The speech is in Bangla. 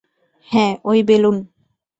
হাঁ, ঐ বেলুন।